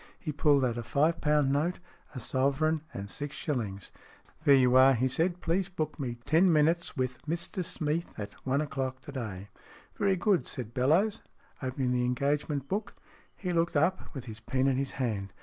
He pulled out a five pound note, a sovereign, and six shillings " There you are," he said. " Please book me ten minutes with Mr Smeath at one o'clock to day." " Very good," said Bellowes, opening the engage ment book. He looked up, with his pen in his hand.